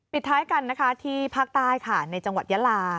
ปิดท้ายกันที่ภาคไต้ในจังหวัดยาลา